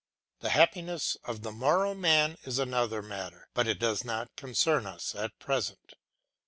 The happiness of the moral man is another matter, but it does not concern us at present.